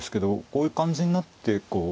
こういう感じになってこう。